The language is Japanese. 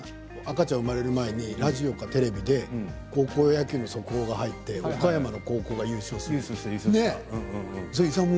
赤ちゃんが生まれる前にラジオかテレビで高校野球の速報が入って岡山の高校が優勝していたよね。